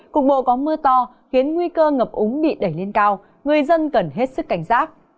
cục bộ có mưa to khiến nguy cơ ngập úng bị đẩy lên cao người dân cần hết sức cảnh giác